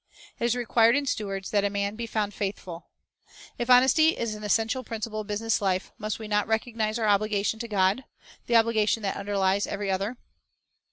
"It is required in stewards, that a man be found faithful." 1 If honesty is an essential principle of busi ness life, must we not recognize our obligation to God, — the obligation that underlies every other?